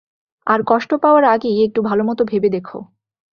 আর কষ্ট পাওয়ার আগেই একটু ভালোমতো ভেবে দেখো!